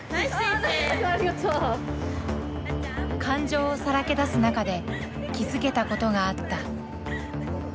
感情をさらけ出す中で気付けたことがあった。